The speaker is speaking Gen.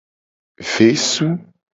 Vesu.